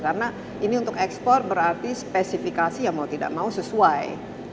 karena ini untuk ekspor berarti spesifikasi mau tidak mau sesuai